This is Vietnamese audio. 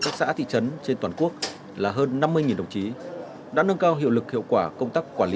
các xã thị trấn trên toàn quốc là hơn năm mươi đồng chí đã nâng cao hiệu lực hiệu quả công tác quản lý